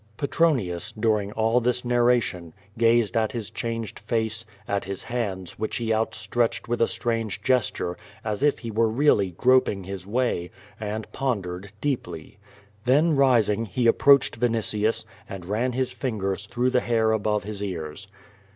Petronius, during all this narration, gazed at his changed face, at his liands which he out stretched with a strange ges ture, as if he were really groping his way, and pondered deep ly. Then rising he approached Vinitius, and ran his fingers through the hair a1)ove his ears.